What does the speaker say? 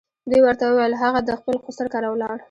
دوی ورته وویل هغه د خپل خسر کره ولاړ.